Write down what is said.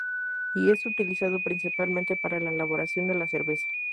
Y es utilizado principalmente para la elaboración de la cerveza.